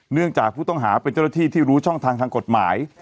เนื่องจากผู้ต้องหาเป็นเจ้าหน้าที่ที่รู้ช่องทางทางกฎหมาย